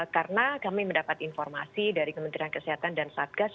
karena kami mendapat informasi dari kementerian kesehatan dan satgas